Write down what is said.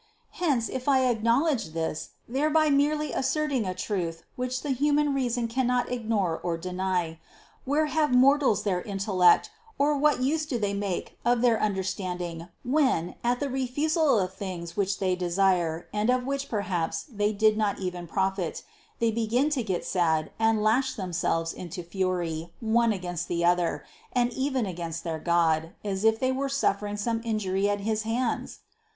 Hence, if I acknowledged this, thereby merely asserting a truth which the human reason cannot ignore nor deny, where have mortals their intellect, or what use do they make of their understanding when, at the refusal of things which they desire and of which per haps they do not even profit, they begin to get sad and lash themselves into fury one against the other, and even against their God, as if they were suffering some injury at his hands?